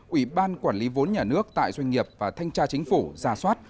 ủy ban quản lý vốn nhà nước tại doanh nghiệp và thanh tra chính phủ ra soát